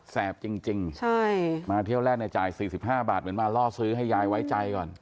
แบจริงมาเที่ยวแรกเนี่ยจ่าย๔๕บาทเหมือนมาล่อซื้อให้ยายไว้ใจก่อน